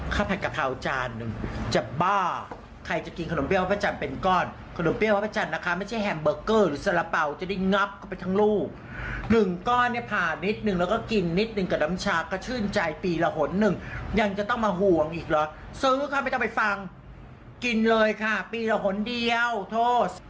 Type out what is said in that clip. มันมาห่วงอีกเหรอซื้อค่ะไม่ต้องไปฟังกินเลยค่ะปีละหนเดียวโทษ